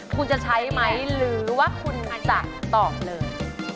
คุณจะใช้ไหมหรือว่าคุณตั๊กตอบเลย